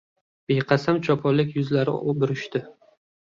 Beqasam choponlik yuzlari burishdi.